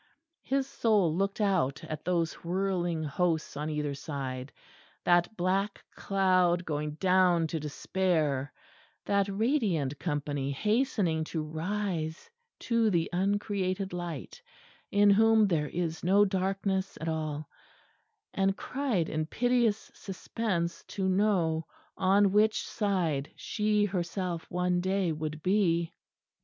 His soul looked out at those whirling hosts on either side, that black cloud going down to despair, that radiant company hastening to rise to the Uncreated Light in whom there is no darkness at all and cried in piteous suspense to know on which side she herself one day would be.